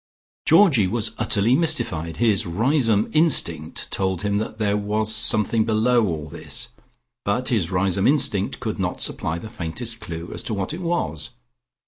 Georgie was utterly mystified: his Riseholme instinct told him that there was something below all this, but his Riseholme instinct could not supply the faintest clue as to what it was.